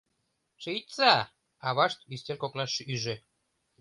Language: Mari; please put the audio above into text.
— Шичса, — авашт ӱстел коклаш ӱжӧ.